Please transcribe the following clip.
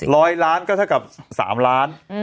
ร้อยล้านก็เท่ากับ๓ล้าน